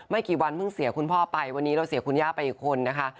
กี่วันเพิ่งเสียคุณพ่อไปวันนี้เราเสียคุณย่าไปอีกคนนะคะ